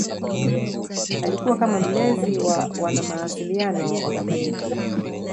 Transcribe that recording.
Alikuwa kama mlezi wa wanamawasiliano wakatoliki